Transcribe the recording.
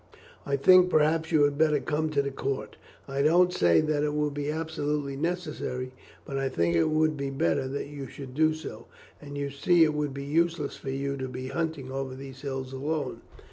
I think, perhaps, you had better come to the court. I don't say that it will be absolutely necessary, but I think it would be better that you should do so; and you see it would be useless for you to be hunting over those hills alone.